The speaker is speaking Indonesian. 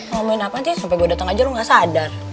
ngomongin apaan sih sampai gue dateng aja lo gak sadar